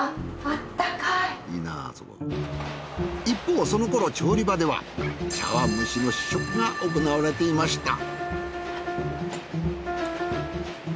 一方その頃調理場では茶碗蒸しの試食が行われていました。